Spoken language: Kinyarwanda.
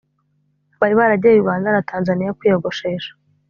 bari baragiye uganda na tanzaniya kwiyogoshesha